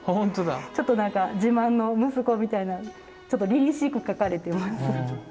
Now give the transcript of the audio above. ちょっと何か自慢の息子みたいなちょっとりりしく描かれてます。